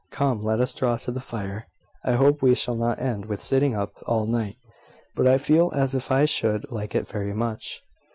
Come, let us draw to the fire. I hope we shall not end with sitting up all night; but I feel as if I should like it very much."